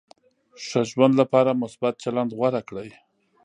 ښه ژوند لپاره مثبت چلند غوره کړئ.